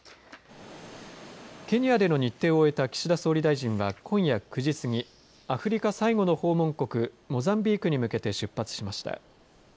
ケニアでの日程を終えた岸田総理大臣は今夜９時過ぎアフリカ最後の訪問国モザンビークに向けて出発しました。